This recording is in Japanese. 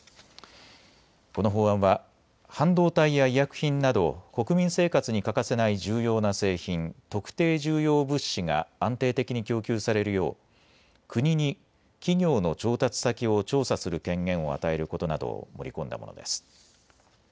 この法案は半導体や医薬品など国民生活に欠かせない重要な製品、特定重要物資が安定的に供給されるよう国に企業の調達先を調査する権限を与えることなどを盛り込んだものです。